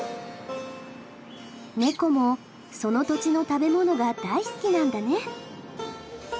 猫もその土地の食べ物が大好きなんだね。